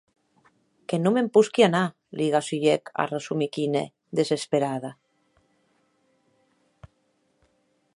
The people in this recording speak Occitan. Que non me’n posqui anar, li gasulhèc a Rasumikhine, desesperada.